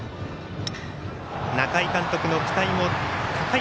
中井監督の期待も高い